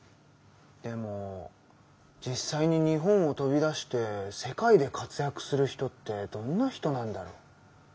でも実際に日本を飛び出して世界で活躍する人ってどんな人なんだろう？